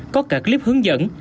có cả clip hướng dẫn